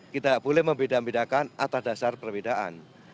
kita boleh membeda bedakan atas dasar perbedaan